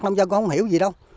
nông dân không hiểu gì đâu